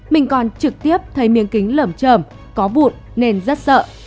mình còn trực tiếp thấy miếng kính lởm trờm có vụn nên rất sợ